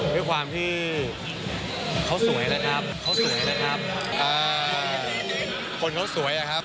ด้วยความที่เขาสวยละครับ